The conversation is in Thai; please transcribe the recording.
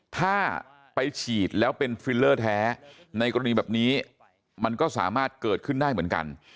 ถ้าไปฉีดแล้วเป็นฟิลเลอร์แท้ในกรณีแบบนี้มันก็สามารถเกิดขึ้นได้เหมือนกัน